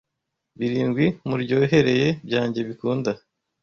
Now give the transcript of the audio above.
'Birindwi muryohereye byanjye bikunda